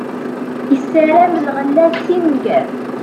Issaram lɣella si nnger.